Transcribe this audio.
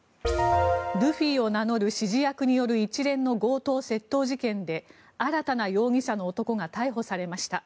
ルフィを名乗る指示役による一連の強盗・窃盗事件で新たな容疑者の男が逮捕されました。